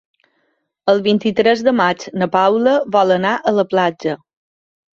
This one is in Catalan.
El vint-i-tres de maig na Paula vol anar a la platja.